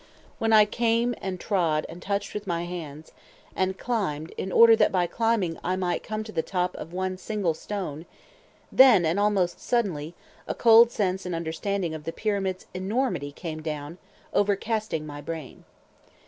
When I came, and trod, and touched with my hands, and climbed, in order that by climbing I might come to the top of one single stone, then, and almost suddenly, a cold sense and understanding of the Pyramid's enormity came down, overcasting my brain.